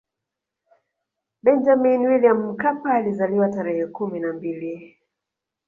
benjamini william mkapa alizaliwa tarehe kumi na mbili